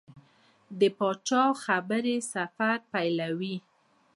د پاچا خبرې سفر پیلوي.